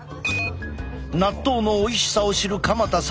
納豆のおいしさを知る鎌田さん